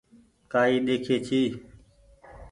ڪآئي ڏيکي ڇي ۔